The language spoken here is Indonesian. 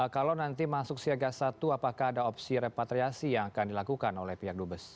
kalau nanti masuk siaga satu apakah ada opsi repatriasi yang akan dilakukan oleh pihak dubes